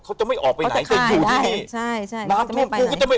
เขาจะไม่ออกไปไหน